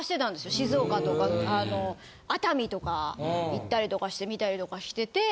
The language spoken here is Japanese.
静岡とか熱海とか行ったりとかしてみたりとかしてて。